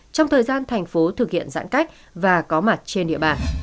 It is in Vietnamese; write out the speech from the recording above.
trong thời gian thành phố thực hiện giãn cách và có mặt trên địa bàn